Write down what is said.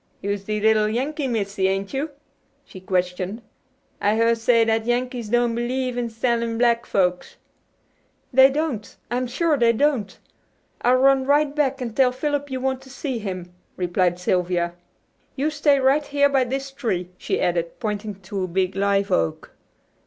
"You'se the little Yankee missy, ain't you?" she questioned. "I hear say that Yankees don't believe in selling black folks." "They don't; I'm sure they don't. I'll run right back and tell Philip you want to see him," replied Sylvia. "You stay right here by this tree," she added, pointing to a big live oak.